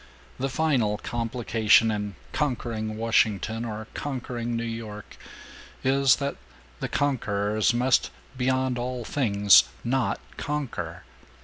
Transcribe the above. The final complication in 'conquering Washington' or 'conquering New York' is that the conquerors must beyond all things not conquer!